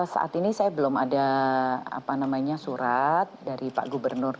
saat ini saya belum ada surat dari pak gubernur